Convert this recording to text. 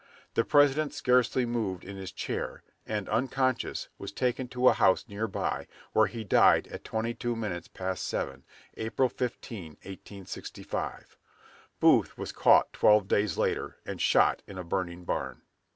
The President scarcely moved in his chair, and, unconscious, was taken to a house near by, where he died at twenty two minutes past seven, April 15, 1865. Booth was caught twelve days later, and shot in a burning barn.